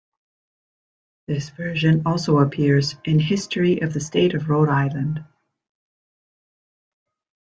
This version also appears in "History of the State of Rhode Island".